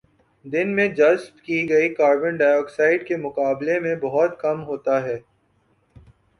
دن میں جذب کی گئی کاربن ڈائی آکسائیڈ کے مقابلے میں بہت کم ہوتا ہے